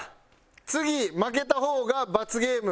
次負けた方が罰ゲーム。